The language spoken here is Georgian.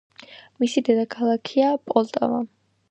მისი დედაქალაქია პოლტავა.